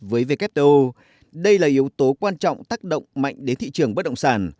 với wto đây là yếu tố quan trọng tác động mạnh đến thị trường bất động sản